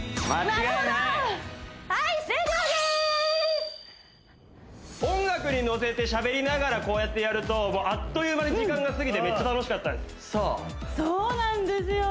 なるほどはい終了でーす音楽にのせてしゃべりながらこうやってやるとあっという間に時間が過ぎてめっちゃ楽しかったですそうなんですよ